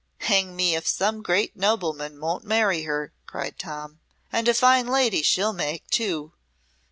"Hang me if some great nobleman won't marry her," cried Tom, "and a fine lady she'll make, too!